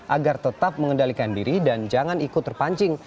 agar tetap mengendalikan diri dan jangan ikut terpancing